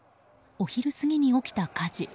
お昼過ぎに起きた火事。